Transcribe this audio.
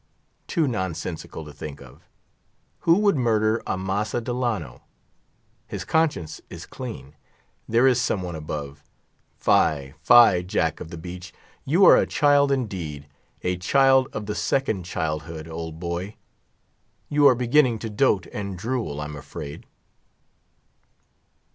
Too nonsensical to think of! Who would murder Amasa Delano? His conscience is clean. There is some one above. Fie, fie, Jack of the Beach! you are a child indeed; a child of the second childhood, old boy; you are beginning to dote and drule, I'm afraid."